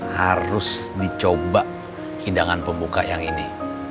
harus dicoba hidangan pembuka yang ini